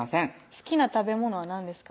「好きな食べ物は何ですか？」